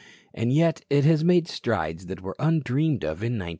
And yet it has made strides that were undreamed of in 1918.